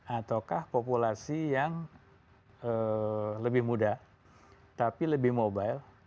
ataukah populasi yang lebih muda tapi lebih mobile